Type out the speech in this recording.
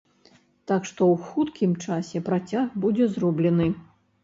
Так што ў хуткім часе працяг будзе зроблены.